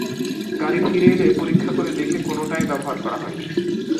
গাড়ি ফিরে এলে পরীক্ষা করে দেখে কোনোটাই ব্যবহার করা হয় নি।